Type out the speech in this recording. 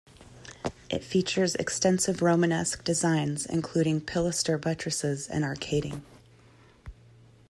It features extensive Romanesque designs, including pilaster buttresses and arcading.